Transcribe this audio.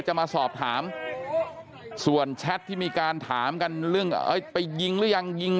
จะมาสอบถามส่วนแชทที่มีการถามกันเรื่องไปยิงหรือยังยิง